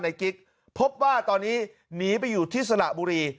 กิ๊กพบว่าตอนนี้หนีไปอยู่ที่สระบุรี